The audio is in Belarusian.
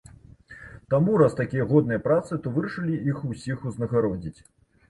Таму, раз такія годныя працы, то вырашылі іх усіх узнагародзіць.